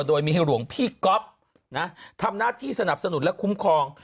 โดยมีให้หลวงพี่ก๊อฟทำหน้าที่สนับสนุนและคุ้มครอง